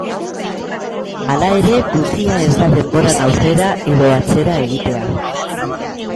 Hala ere, guztia ez da denboran aurrera edo atzera egitea.